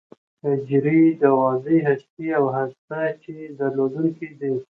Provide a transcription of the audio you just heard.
حجرې یې د واضح هستې او هسته چي درلودونکې دي.